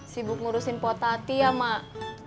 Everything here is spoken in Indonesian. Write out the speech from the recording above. sibuk ngurusin potati ya mak